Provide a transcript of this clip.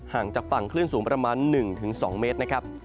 ห่างจากฝั่งคลื่นสูงประมาณ๑ถึง๒เมตร